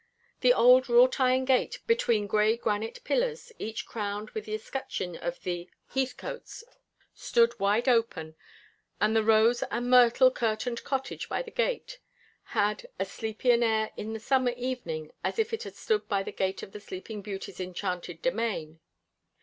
The old wrought iron gate between gray granite pillars, each crowned with the escutcheon of the Heathcotes, stood wide open, and the rose and myrtle curtained cottage by the gate had as sleepy an air in the summer evening as if it had stood by the gate of the Sleeping Beauty's enchanted domain.